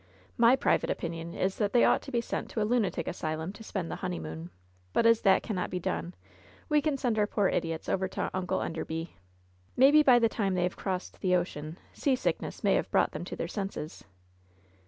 My private opinion is that they ought to be sent to a lunatic asylum to spend the honeymoon; but as that cannot be done, we can send our poor idiots over to Uncle Enderby. Maybe by the time they have crossed the ocean seasick ness may have brought them to their senses."